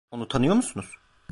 Onu tanıyor musunuz?